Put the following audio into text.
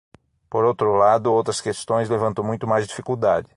Por outro lado, outras questões levantam muito mais dificuldade.